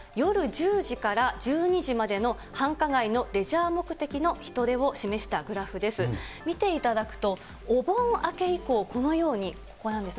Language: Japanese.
１０時から１２時までの繁華街のレジャー目的の人出を示したグラフです。